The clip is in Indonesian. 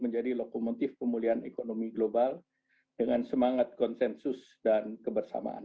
menjadi lokomotif pemulihan ekonomi global dengan semangat konsensus dan kebersamaan